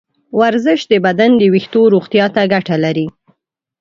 ورزش د بدن د ویښتو روغتیا ته ګټه لري.